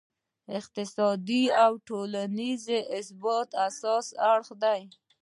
د اقتصادي او ټولینز ثبات اساسي اړخ دی.